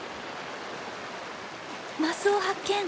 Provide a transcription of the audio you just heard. マスを発見！